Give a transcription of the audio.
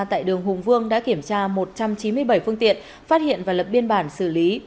tại đường hùng vương đã kiểm tra một trăm chín mươi bảy phương tiện phát hiện và lập biên bản xử lý